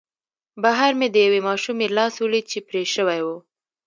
بهر مې د یوې ماشومې لاس ولید چې پرې شوی و